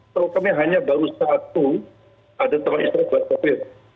truk kami hanya baru satu ada tempat istirahat buat sopir